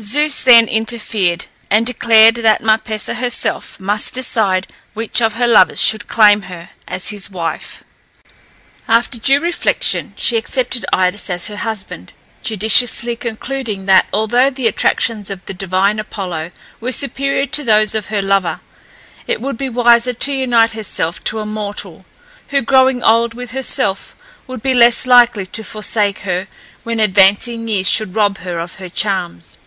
Zeus then interfered, and declared that Marpessa herself must decide which of her lovers should claim her as his wife. After due reflection she accepted Idas as her husband, judiciously concluding that although the attractions of the divine Apollo were superior to those of her lover, it would be wiser to unite herself to a mortal, who, growing old with herself, would be less likely to forsake her, when advancing years should rob her of her charms.